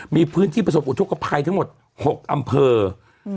มีพื้นที่ประสบอุทธกภัยทั้งหมด๖อำเภอ